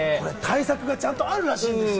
対策がちゃんとあるらしいんですよ。